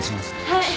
はい。